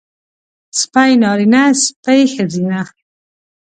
سپی نارينه سپۍ ښځينۀ